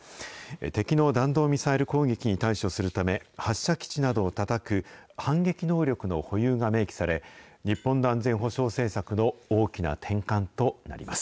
敵の弾道ミサイル攻撃に対処するため、発射基地などをたたく反撃能力の保有が明記され、日本の安全保障政策の大きな転換となります。